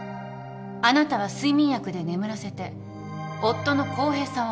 あなたは睡眠薬で眠らせて夫の浩平さんを絞殺した。